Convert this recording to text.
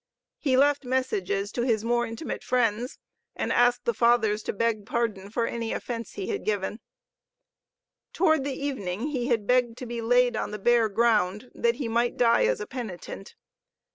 He left messages to his more intimate friends, and asked the Fathers to beg pardon for any offense he had given. During the evening he had begged to be laid on the bare ground, that he might die as a penitent.